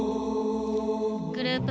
グループ